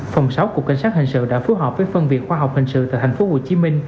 phòng sáu cục cảnh sát hành sự đã phối hợp với phân việc khoa học hành sự tại tp hcm